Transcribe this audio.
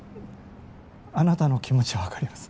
あなたの気持ちはわかります。